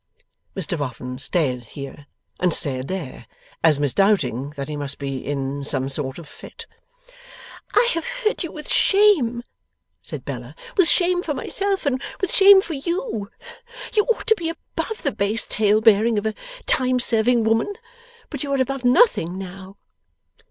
Mr Boffin stared here, and stared there, as misdoubting that he must be in some sort of fit. 'I have heard you with shame,' said Bella. 'With shame for myself, and with shame for you. You ought to be above the base tale bearing of a time serving woman; but you are above nothing now.